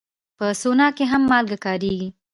په سونا کې هم مالګه کارېږي.